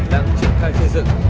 đang triển khai xây dựng